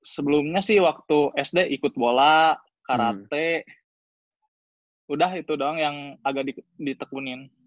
sebelumnya sih waktu sd ikut bola karate udah itu doang yang agak ditekunin